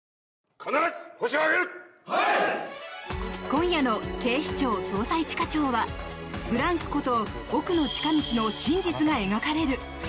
今夜の「警視庁・捜査一課長」はブランクこと奥野親道の真実が描かれる。